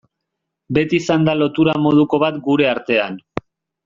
Beti izan da lotura moduko bat gure artean.